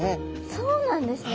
そうなんですね